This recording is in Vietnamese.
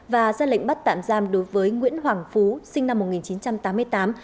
và ra lệnh bắt tạm giam đối với nguyễn hoàng phú sinh năm một nghìn chín trăm tám mươi tám